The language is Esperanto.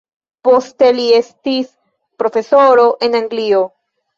Poste li estis profesoro en Anglio.